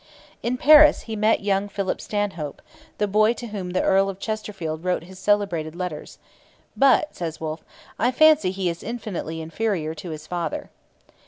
In Paris he met young Philip Stanhope, the boy to whom the Earl of Chesterfield wrote his celebrated letters; 'but,' says Wolfe, 'I fancy he is infinitely inferior to his father.'